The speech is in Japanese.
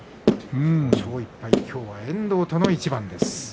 ５勝１敗、今日は遠藤との一番です。